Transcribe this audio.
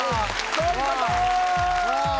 そういうこと！